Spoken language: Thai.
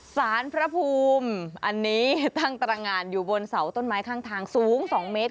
สารพระภูมิอันนี้ตั้งตรงานอยู่บนเสาต้นไม้ข้างทางสูง๒เมตร